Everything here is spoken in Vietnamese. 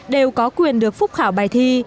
đều có quyền được phúc khảo bài thi